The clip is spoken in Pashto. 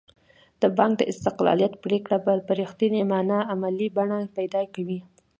د بانک د استقلالیت پرېکړه به په رښتینې معنا عملي بڼه پیدا کوي.